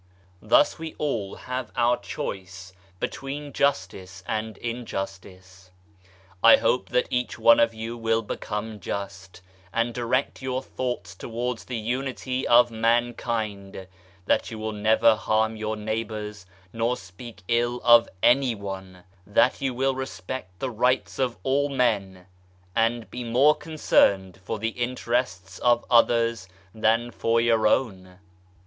Thus we all have our choice between justice and injustice. I hope that each one of you will become just, and direct your thoughts towards the Unity of Mankind ; that you will never harm your neighbours nor speak ill of any one ; that you will respect the rights of all men, and be more concerned for the interests of others than for your own.